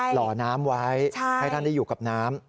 หล่อน้ำไว้ให้ท่านได้อยู่กับน้ำ